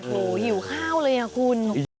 โหหิวข้าวเลยอะคุณ